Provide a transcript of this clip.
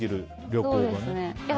旅行がね。